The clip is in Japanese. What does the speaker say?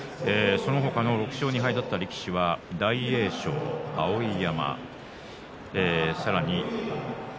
その他の６勝２敗だった力士は大栄翔、碧山さらに